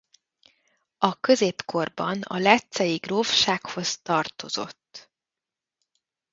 A középkorban a Leccei Grófsághoz tartozott.